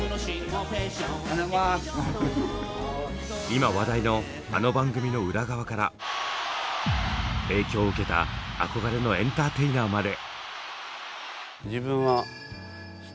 今話題のあの番組の裏側から影響を受けた憧れのエンターテイナーまで。